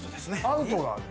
アウトがあんの？